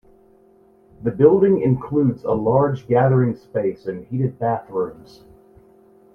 The building includes a large gathering space and heated bathrooms.